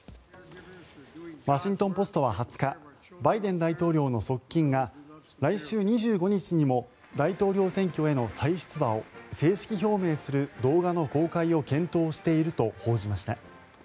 ワシントン・ポストは２０日バイデン大統領の側近が来週２５日にも大統領選挙への再出馬を正式表明する動画の公開を検討していると報じました。